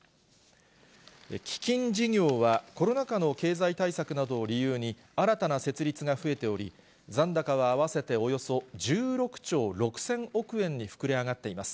基金事業は、コロナ禍の経済対策などを理由に、新たな設立が増えており、残高は合わせておよそ１６兆６０００億円に膨れ上がっています。